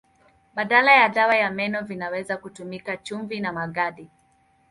Badala ya dawa ya meno vinaweza kutumika chumvi na magadi.